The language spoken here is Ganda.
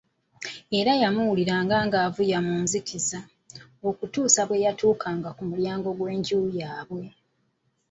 Era yamuwuliranga ng'avuya mu nzikiza, okutuusa bwe yatuukanga ku mulyango gw'enju yaabwe.